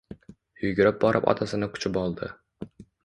Yugurib borib otasini quchib oldi